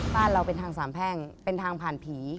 บ้านเราเป็นทางสามแพ่งเป็นทางผ่านผี